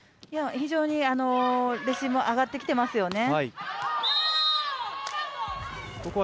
非常にレシーブも上がってきていますよね。